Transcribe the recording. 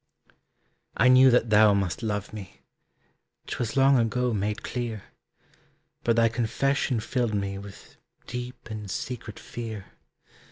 I knew that thou must love me 'Twas long ago made clear. But thy confession filled me With deep and secret fear.